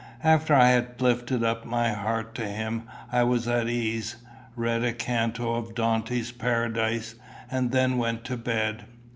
After I had lifted up my heart to him I was at ease, read a canto of Dante's Paradise, and then went to bed.